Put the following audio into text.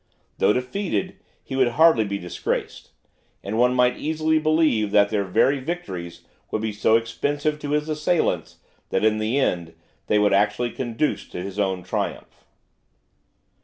Though defeated, he would hardly be disgraced; and one might easily believe that their very victories would be so expensive to his assailants, that, in the end, they would actually conduce to his own triumph.